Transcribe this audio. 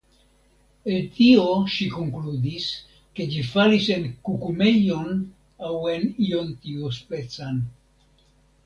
El tio ŝi konkludis ke ĝi falis en kukumejon, aŭ en ion tiuspecan.